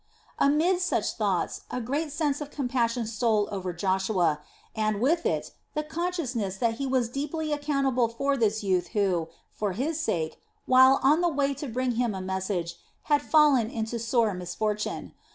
Amid such thoughts a great sense of compassion stole over Joshua and, with it, the consciousness that he was deeply accountable for this youth who, for his sake, while on the way to bring him a message, had fallen into such sore misfortune.